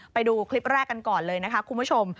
ไปดูคลิปแรกกันก่อนเลยนะคะคุณผู้ชม